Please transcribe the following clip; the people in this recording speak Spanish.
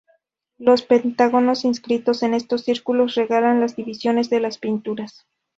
Los pentágonos inscritos en estos círculos regulan las divisiones de las pinturas.